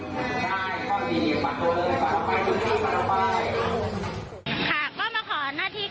ก็ได้เอ่ยด้วยพาพี่ผ้าเว่งขอเป็นพุทธข้านาวไหว้